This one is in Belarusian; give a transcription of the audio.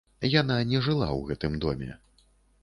Яна не жыла ў гэтым доме.